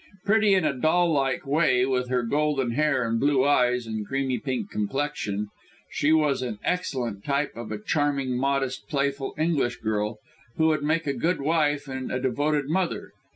Pretty in a doll like way, with her golden hair and blue eyes and creamy pink complexion, she was an excellent type of a charming, modest, playful English girl, who would make a good wife and a devoted mother.